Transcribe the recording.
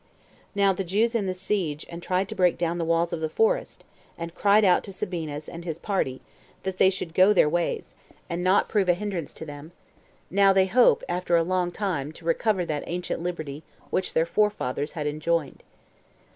Now the Jews in the siege, and tried to break down walls of the fortress, and cried out to Sabinus and his party, that they should go their ways, and not prove a hinderance to them, now they hoped, after a long time, to recover that ancient liberty which their forefathers had enjoyed.